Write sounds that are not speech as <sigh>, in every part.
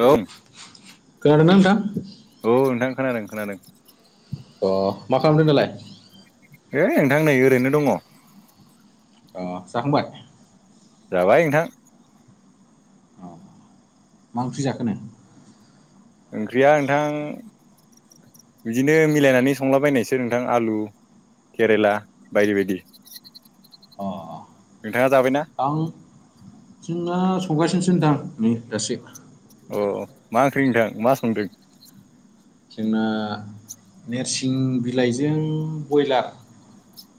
औ खोनादों ना नोंथां औ नोंथां खोनादों खोनादों अ मा खालामदों दालाय है नोंथां नै ओरैनो दङ अ जाहांबाय जाबाय नोंथां औ मा ओंख्रि जाखो नों ओंख्रिया नोंथां बिदिनो मिलायनानै संलाबायनायसो नोंथां आलु केरेला बायदि बायदि अ नोंथाङा जाबायना आं जोंना सौगासिनोसो नोंथां नै दसे अ मा ओंख्रि नोंथां मा संदों जोंना नोरसिं बिलाइजों बयलार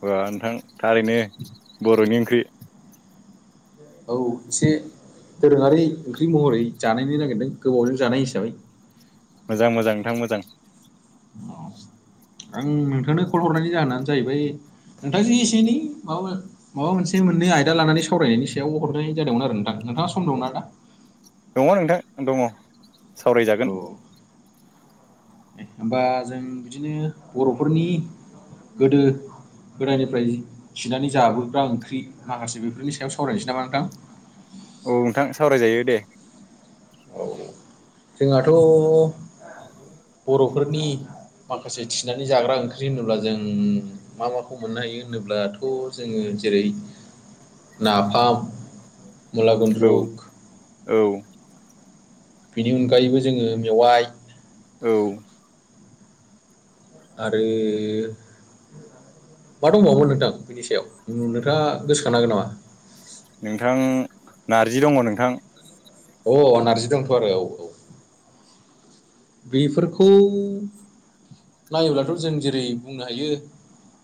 अ नोंथां थारैनो बर'नि ओंख्रि औ एसे दोरोङारि ओंख्रि महरै जानायनो नागिरदों गोबावजों जानाय हिसाबै मोजां मोजां नोंथां मोजां आं नोंथांनो कल हरनायनि जाहोनानो जाहैबाय नोंथाङ जि एसे एनै माबा माबा मोनसे मोननै आयदा लानानै सावरायनायनि सायाव हरनाय जादोंमोन आरो नोंथां नोंथाङा सम दंना दा दङ नोंथां दङ सावरायजागोन औ होमबा जों बिदिनो बर'फोरनि गोदो गोदाननिफ्राय थिनानै जाबोग्रा ओंख्रि माखासे बेफोरनि सायाव सावरायनोसै नामा नोंथां औ नोंथां सावरायजायो दे औ जोंहाथ' बर'फोरनि माखासे थिनानै जाग्रा ओंख्रि होनोब्ला जों मा माखौ मोननो हायो होनोब्लाथ' जोङो जेरै नाफाम मुला औ गुन्द्रुक औ बेनि अनगायैबो जोङो मेवाइ औ आरो मा दंबावोमोन नोंथां बिनि सायाव नोंथाङा गोसोखांनो हागोन नामा नोंथां नारजि दङ नोंथां अ नारजि दंथ' आरो औ औ बेफोरखौ नायोब्लाथ' जों जेरै बुंनो हायो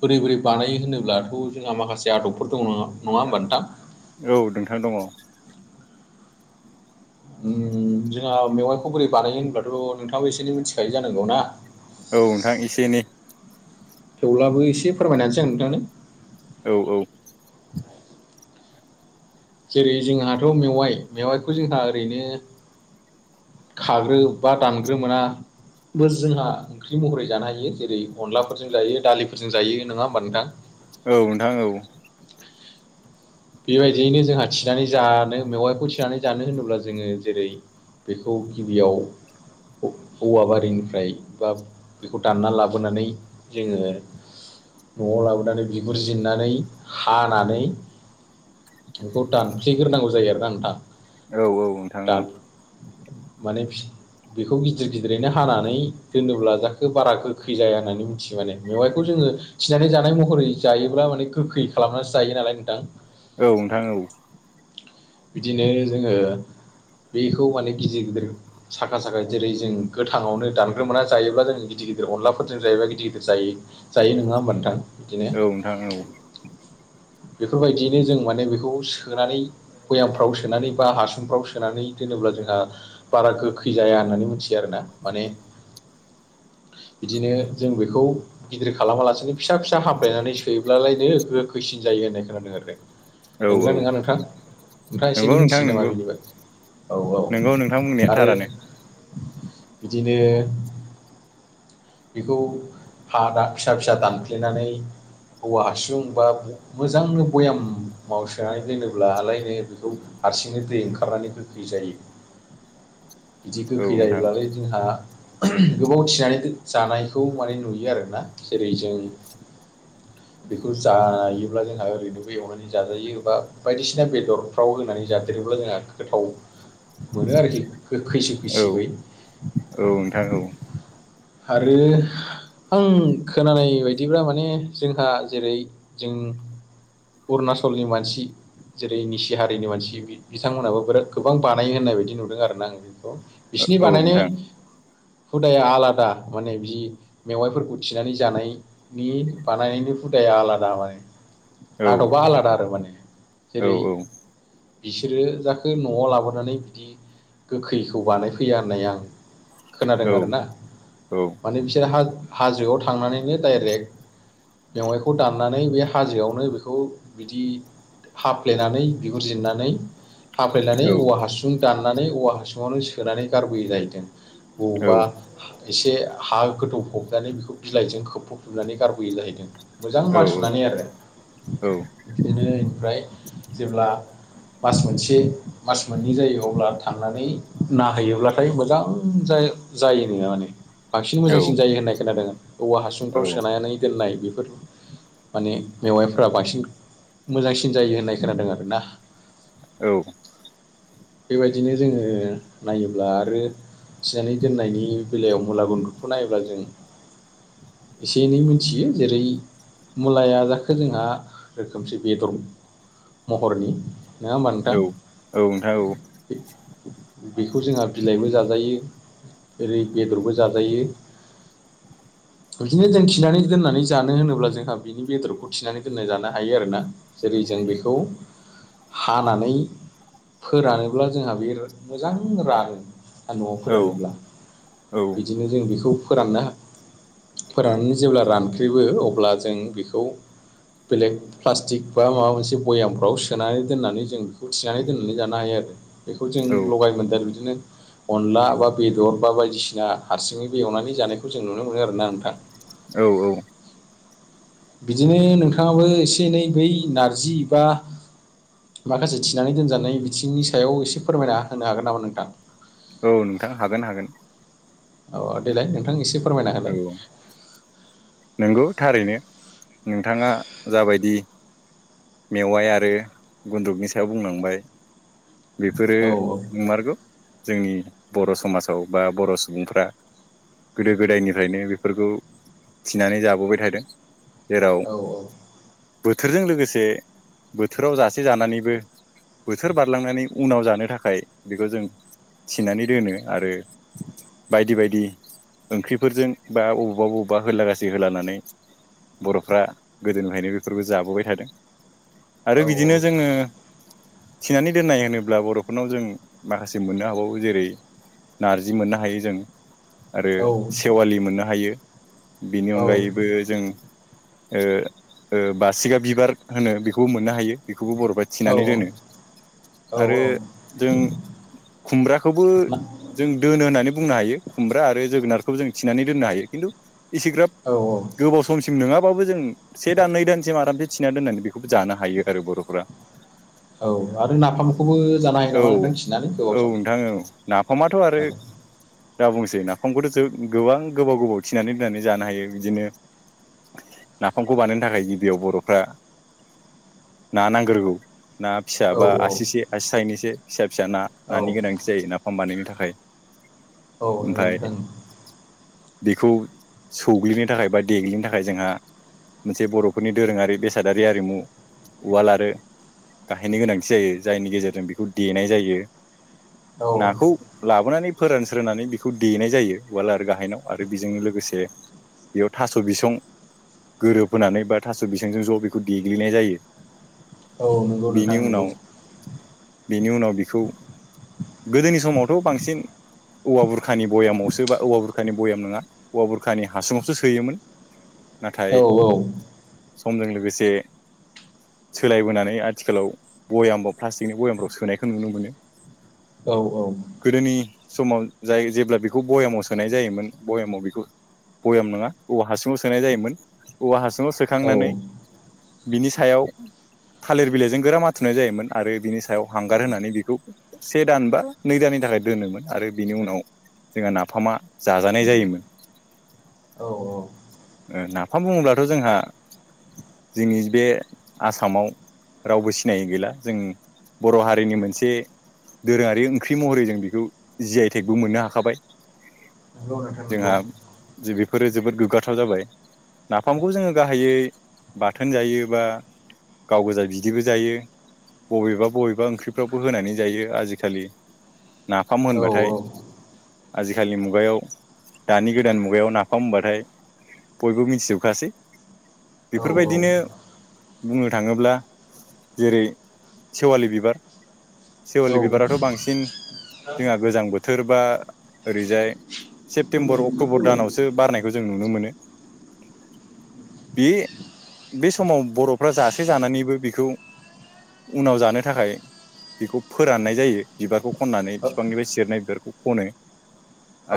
बोरै बोरै बानायो होनोब्लाथ' जोंहा माखासे आदबफोर दं नङा होमबा नोंथां औ नोंथां दङ। ओम जोंहा मेवाइखौ बोरै बानायो होनब्लाथ' नोंथाङाबो एसे एनै मिथिखायो जानांगौ ना? औ नोंथां इसे एनै। थेवब्लाबो इसे फोरमायनानैसै आं नोंथांनो। औ औ जेरै जोंहाथ' मेवाइ मेवाइखौ जोंहा ओरैनो खाग्रो बा दानग्रोना मोना। बोर जोंहा ओंख्रि महरै जानो हायो। जेरै अनलाफोरजों जायो दालिफोरजों जायो नोङा ओमबा नोंथां। औ नोंथां औ। बेबायदियैनो जोंहा थिनानै जानो। मेवाइखौ थिनानै जानो होनोब्ला जोङो जेरै बेखौ गिबियाव औ-औवा बारिनिफ्राय बा बेखौ दानना लाबोनानै जोङो न'आव लाबोनानै बिगुरजिरनानै हानानै खौ दानफ्लेग्रोनांगौ जायो आरो ना नोंथां। औ औ नोंथां औ। दान माने फि बेखौ गिदिर गिदिरैनो हानानै दोनोब्ला जाखो बारा गोखै जाया होननानै मिथियो माने मेवाइखौ जोङो थिनानै जानाय महरै जायोब्ला माने गोखै खालामनानैसो जायो नालाय नोंथां। औ नोंथां औ। बिदिनो जोङो बेखौ माने गिदिर गोदोर साखा साखा जेरै जों गोथाङावनो दानग्रोमोना जायोब्ला जों गिदिर गिदिर अनलाफोरजों जायोबा गिदिर गिदिर जायो। जायो नोङा होमबा नोंथां। बिदिनो औ नोंथां औ बेफोरबायदियैनो जों माने बेखौ सोनानै भयामफ्राव सोनानै बा हासुंफ्राव सोनानै दोनोब्ला जोंहा बारा गोखै जाया होननानै मिथियो आरो ना माने इदिनो जों बेखौ गिदिर खालामालासिनो फिसा फिसा हाफ्लेनानै सोयोब्लालायनो गोखैसिन जायो होननाय खोनादों आरो औ औ नोंगोना नोङा नोंथां। ओमफ्राय एसे नंगौ एनै नोंथां मिथियो नामा नंगौ बिदिबा औ नंगौ नोंथां बुंनाया औ आरो थारानो बिदिनो बिखौ हा दा फिसा फिसा दानफ्लेनानै औवा हासुं बा मोजांनो बयाम-माव सोनानै दोनोब्लालायनो बिखौ हारसिंनो दै ओंखारनानै गोखै जायो। बिदि औ गोखै नोंथां जायोब्लालाय जोंहा गोबाव थिनानै जानायखौ माने नुयो आरोना जेरै जों बेखौ जायोब्ला जोंहा ओरैनोबो एवनानै जाजायो बा बायदिसिना बेदर फाव होनानै जादेरोब्ला जोंहा गोथाव मोनो आरोखि गोखै खैसिब औ खैसिबै। औ नोंथां औ। आरो। आं खोनानाय बायदिब्ला माने जोंहा जेरै जों। अरुणचलनि मानसि जेरै निसि हारिनि मानसि बिथांमोनहाबो बिराद गोबां बानायो होननाय बायदि नुदों आरो ना आं बेखौ बिसिनि औ बानायनाय नोंथां हुदाया आलादा माने बि मेवाइफोरखौ थिनानै जानाय नि बानायनायनि हुथाया आलादा माने औ आदबा आलादा आरो माने औ जेरै बिसोरो जाखो न'आव लाबोनानै बिदि गोखैखौ बानायफैया होननाया आं खोनादों औ आरोना औ। माने बिसोर हाज-हाजोआव थांनानैनो डाइरेक्ट। मेवाइखौ दाननानै बे हाजोआवनो बेखौ बिदि हाफ्लेनानै बिगुर जिरन्नानै औ हाफ्लायनानै औवा हासुुं दाननानै औवा हासुङावनो सोनानै गारबोयो जाहैदों बबावबा एसे हा गोदौफबनानै बेखौ बिलाइजों खोबफबफुबनानै गारबोयो जाहैदों मोजां मान सुनानै आरो बिदिनो ओमफ्राय जेब्ला मास मोनसे मास मोननै जायो अब्ला थांनानै नायहैयोब्लाथाय मोजां ज जायो नङा माने बांसिन मोजांसिन जायो होननाय खोनादों औवा औ हासुंफ्राव सोनायानै दोननाय बेफोर माने मेवाइफोरा बांसिन मोजांसिन जायो होननाय खोनादों आरोना औ <inaudible> बेबायदिनो जोङो नायोब्ला आरो थिनानै दोननायनि बेलायाव मुला गुन्दुखौ नायोबा जों एसे एनै मोनथियो जेरै मुलाया जाखो जोंहा रोखोमसे बेदर महरनि नडा होनबा नोंथां बेखौ जोंहा बिलाइबो जाजायो ओरै बेदरबो ज जाजायो बिदिनो जों थिनानै दोननानै जानो होनोब्ला जोंहा बिनि बेदरखौ थिनानै दोननानै जानो हायो आरोना जेरै जों बेखौ हानानै फोरानोब्ला जोंहा बे मोजां रानो आरो न'आव फोरानोब्ला औ बिदिनो जों बेखौ फोरानना फोराननानै जेब्ला रानख्रेबो अब्ला जों बेखौ बेलेग प्लास्टिक बा माबा मोनसे भयामफ्राव सोनानै दोननानै जों बेखौ थिनानै दोननानै जानो हायो आरो बेखौ जों लगायमोनदेर आरो बिदिनो अनला बा बेदर बा बायदिसिना बिना हारसिङै बेवनानै जानायखौ जों नुनो मोनो आरोना नोंथां औ औ बिदिनो नोंथाङाबो एसे एनै बै नारजि बा माखासे थिनानै दोनजानाय बिथिंनि सायाव एसे फोरमायना होनो हागोन नामा नोंथां औ नोंथां हागोन हागोन औ देलाय नोंथां एसे फोरमायना औ होलाय नंगौ थारैनो नोंथाङा जाबायदि मेवाइ आरो गुन्दुकनि सायाव बुंलांबाय बेफोरो औ नंमारगौ जोंनि बर' समाजाव बा बर' सुबुंफ्रा गोदो गोदायनिफ्रायनो बेफोरखौ थिनानै जाबोबाय थादों जेराव औ बोथोरजों लोगोसे बोथोराव जासे जानानैबो बोथोर बारलांनानै उनाव जानो थाखाय बेखौ जों थिनानै दोनो आरो बायदि बायदि ओंख्रिफोरजों बा बबावबा बबेबा होलागासै होलानानै बर'फ्रा गोदोनिफ्रायायनो बेफोरबो जाबोबाय थादों औ आरो बिदिनो जोङो थिनानै दोननाय होनोब्ला बर'फोरनाव जों माखासे मोननो हाबावो जेरै नारजि मोननो हायो जोंङ आरो औ सेवालि मोननो हायो बेनि औ अनगायैबो जों बासिगा बिबार होनो बेखौबो मोननो हायो बेखौबो बर'फोरा औ थिनानै दोनो औ आरो जों खुमब्राखौबो ना जों दोनो होननानै बुंनो हायो खुमब्रा आरो जोगोनार खौ जों थिनानै दोननो हायो खिन्थु इसेग्राब औ गोबाव समसिम नोंङाबाबो जों से दान नै दानसिम आरामसे थिना दोननानै बेखौबो जानो हायो आरो बर'फ्रा। औ आरो नाफामखौबो जानो हायो औ नामा नोंथां थिनानै औ गोबाव सम। नोंथां औ। नाफामाथ' औ आरो दा बुंसै नाफामखौथ' जोब गोबां गोबाव गोबाव थिनानै दोननानै जानो हायो बिदिनो नाफामखौ बानायनो थाखाय गिबियाव बर'फ्रा ना नांग्रोगौ। ना फिसा औ बा आसिसे आसि साइनैसो फिसा फिसा ना औ नानि गोनांथि जायो, नाफाम बानायनो थाखाय। औ नंगौ नोंथां। बिखौ सौग्लिनो थाखाय बा देग्लिनो थाखाय जोंहा मोनसे बर'फोरनि दोरोङारि बेसादारि आरिमु उवाल आरो गाहेननि गोनांथि जायो। जायनि गेजेरजों बेखौ देनाय जायो। औ नाखौ लाबोनानै फोरानस्रोनानै बेखौ देनाय जायो। उलार गाहायनाव आरो बेजोंनो लोगोसे बेयाव थास' बिसं गोरोबहोनानै बा थास' बिंजों ज' बेखौ देग्लिनाय जायो। औ नंगौ बिनि नोंथां नंगौ उनाव बिनि उनाव बिखौ गोदोनि समावथ' बांसिन औवा बुरखानि बयामाव सो सोरबा औवा बुरखानि बयाम नङा औवा बुरखानि हासुमावसो सोयोमोन। औ नाथाय समजों लोगोसे सोलायबोनानै आथिखालाव भयामफ्राव प्लास्टिकनि भयामफ्राव सोनायखौ नुनो मोनो। औ औ गोदोनि समाव जाय जेब्ला बेखौ भयामाव सोनाय जायोमोन भयामाव बिखौ बयाम नोङा औवा हासुंङाव सोनाय जायोमोन। औवा हासुङाव औ सोखांनानै बिनि सायाव थालिर बिलाइजों गोरा माथुनाय जायोमोन आरो बिनि सायाव हांगार होनानै बिखौ से दान बा नै दाननि थाखाय दोनोमोन आरो बिनि उनाव जोंहा नाफामा जाजानाय जायोमोन। औ औ। नाफाम बुङोब्लाथ' जोंहा जोंनि बे आसामाव रावबो सिनायि गैला। जों बर' हारिनि मोनसे दोरोङारि ओंख्रि महरै जों बेखौ जि आइ टेकबो मोननो हाखाबाय। नंगौ नोंथां नंगौ जोंहा बेफोरो जोबोद गोग्गा बाथाव जाबाय नाफामखौ जोङो गाहायै बाथोन जायो। बा गाव गोजा बिदिबो जायो। बबेबा बबेबा ओंख्रिफ्रावबो होनानै जायो आजिखालि नाफाम औ होनबाथाय आजिखालिनि मुगायाव दानि गोदान मुगायाव नाफाम होनबाथाय बयबो मिथिजोबखासै औ बेफोरबायदिनो बुंनो थाङोब्ला जेरै सेवालि बिबार। सेवालि औ बिबाराथ' बांसिन जोंहा गोजां बोथोर बा ओरैजाय सेप्तेम्बर अक्ट'बर दानावसो बारनायखौ जों नुनो मोनो। बे बे समाव बर'फ्रा जासे जानानैबो बिखौ उनाव जानो थाखाय बेखौ फोराननाय जायो। बिबारखौ खननानै बिफांनिफ्राय सेरनाय बिबारखौ खनो।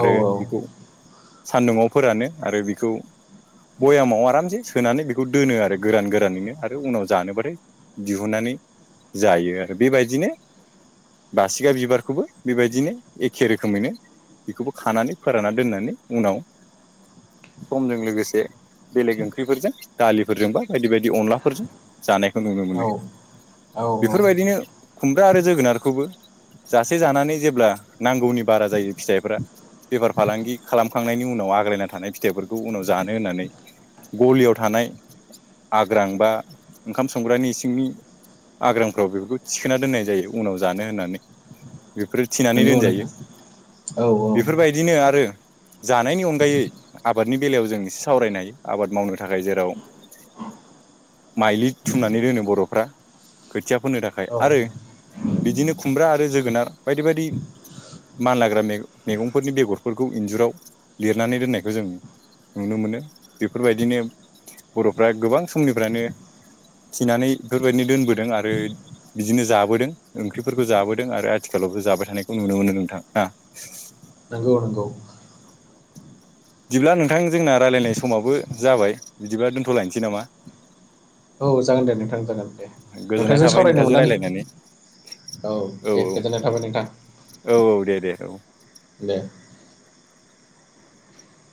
आरो बिखौ सान्दुंआव फोरानो आरो बिखौ भयामाव आरामसे सोनानै बेखौ दोनो आरो गोरान गोरानैनो आरो उनाव जानोबाथाय दिहुननानै जायो आरो बेबायदिनो बासिगा बिबारखौबो बेबायदिनो एखे रोखोमैनो बेखौबो खानानै फोरानना दोननानै उनाव समजों लोगोसे बेलेग ओंख्रिफोरजों दालिफोरजों बा बायदि बायदि अनलाफोरजों जानायखौ नुनो मोनो बेफोरबायदिनो खुमब्रा आरो जोगोनारखौबो जासे जानानै जेब्ला नांगौनि बारा जायो फिथाइफ्रा बेफार फालांगि खालामखांनायनि उनाव आग्लायना थानाय फिथाइफोर खौ उनाव जानो होननानै गलियाव थानाय आग्रां बा ओंखाम संग्रानि इसिंनि आग्रामफ्राव बेफोरखौ थिखोना दोननाय जायो उनाव जानो होननानै बेफोर थिनानै दोनजायो औ बेफोरबायदिनो आरो जानायनि अनगायै आबादनि बेलायाव जों एसे सावरायनो हायो आबाद मावनो थाखाय जेराव माइलि थुमनानै दोनो बर'फ्रा खोथिया फोननो औ थाखाय औ आरो बिदिनो खुमब्रा आरो जोगोनार बायदि बायदि मानलाग्रा मे मैगंफोरनि बेगरफोरखौ इन्जुराव लिरनानै दोननायखौ जों नुनो मोनो बेफोरबायदिनो बर'फ्रा गोबां समनिफ्रानो थिनानै बेफोरबायदिनो दोनबोदों आरो बिदिनो जाबोदों ओंख्रिफोरखौ जाबोदों आरो आथिखालावबो जाबाय थानायखौ नुनो मोनो नोंथां ना नोंगौ नंगौ बिदिब्ला नोंथां जोंना रायजलायनाय समाबो जाबाय बिदिब्ला दोनथ'लायनोसै नामा औ जागोन दे नोंथां जागोन दे गोजोननाय नोंथांजों थाबाय सावरायनो नोंथांजों मोननानै रायलायनानै औ दे गोजोननाय थाबाय नोंथां औ औ औ दे दे औ दे